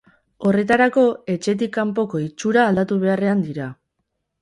Horretarako, etxetik kanpoko itxura aldatu beharrean dira.